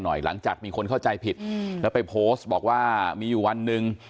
หน่อยหลังจากมีคนเข้าใจผิดแล้วไปบอกว่ามีอยู่วันนึง